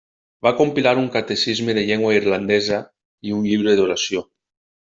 Va compilar un catecisme de llengua irlandesa i un llibre d'oració.